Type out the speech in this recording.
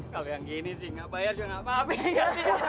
kalau yang gini sih gak bayar juga ngapa ngapain ya